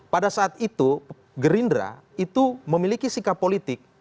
pada saat itu gerindra itu memiliki sikap politik